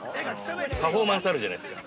◆パフォーマンスあるじゃないですか。